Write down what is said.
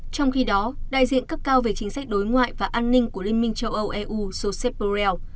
trong khi đó đại diện cấp cao về chính sách đối ngoại và an ninh của liên minh châu âu eu josep borrell